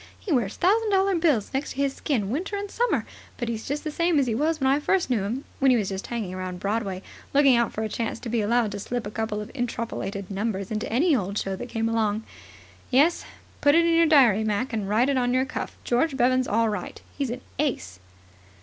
He wears thousand dollar bills next to his skin winter and summer. But he's just the same as he was when I first knew him, when he was just hanging around Broadway, looking out for a chance to be allowed to slip a couple of interpolated numbers into any old show that came along. Yes. Put it in your diary, Mac, and write it on your cuff, George Bevan's all right. He's an ace."